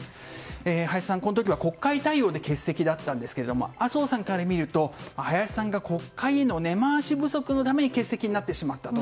林さん、この時は国会対応で欠席だったんですが麻生さんから見ると、林さんが国会への根回し不足のために欠席になってしまったと。